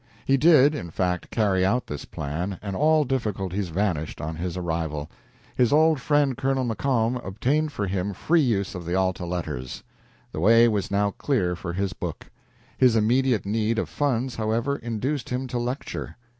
He did, in fact, carry out this plan, and all difficulties vanished on his arrival. His old friend Colonel McComb obtained for him free use of the "Alta" letters. The way was now clear for his book. His immediate need of funds, however, induced him to lecture.